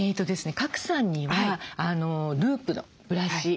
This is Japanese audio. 賀来さんにはループのブラシ。